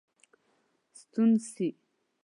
ستون سي.